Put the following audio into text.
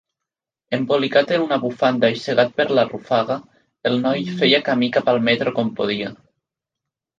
Embolicat en una bufanda i cegat per la rufaga, el noi feia camí cap al metro com podia.